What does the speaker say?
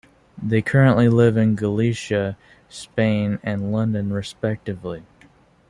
They currently live in Galicia, Spain and London, respectively.